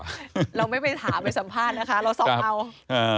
ไม่เราไม่ไปถามไปสัมภาษณ์นะคะเราส่องเอา